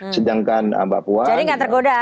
sedangkan bapak puan jadi nggak tergoda